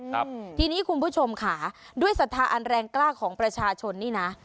ครับทีนี้คุณผู้ชมค่ะด้วยศรัทธาอันแรงกล้าของประชาชนนี่นะ